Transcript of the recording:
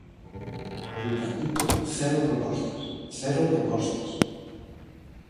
O Bipartito, cero propostas, cero propostas.